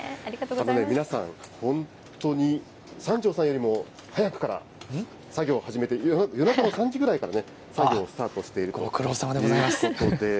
皆さん、本当に、三條さんよりも早くから作業を始めて、夜中の３時ぐらいからね、作業スタートしているということで。